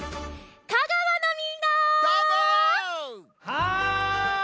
はい！